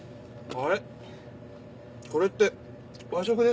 あれ？